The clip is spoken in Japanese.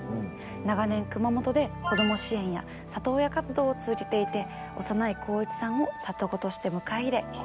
長年熊本で子ども支援や里親活動を続けていて幼い航一さんを里子として迎え入れ一緒に暮らしてきました。